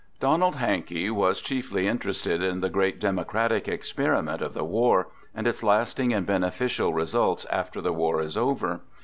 Donald Hankey was chiefly interested in the great democratic experiment of the war, and its lasting and beneficial results after the war is over.